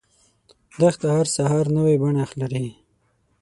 دښته هر سحر نوی بڼه لري.